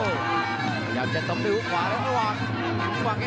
พยายามจะต้องดูขวาแล้วระหว่าง